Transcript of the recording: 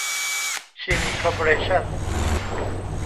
ชิน คอร์ปอเรชั่น